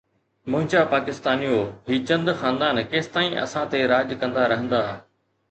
منهنجا پاڪستانيو، هي چند خاندان ڪيستائين اسان تي راڄ ڪندا رهندا؟